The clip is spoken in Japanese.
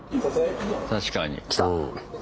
確かに。